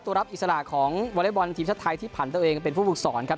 รับอิสระของวอเล็กบอลทีมชาติไทยที่ผ่านตัวเองเป็นผู้ฝึกสอนครับ